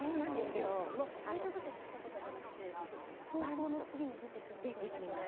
サイトとかの下とかではなくてすぐ投稿で出てきますよね。